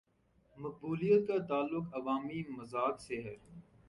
مقبولیت کا تعلق عوامی مذاق سے ہے۔